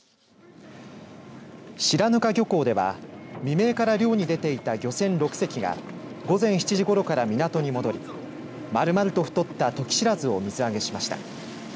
白糠漁港では未明から漁に出ていた漁船６隻が午前７時ごろから港に戻り丸々と太ったトキシラズを水揚げしました。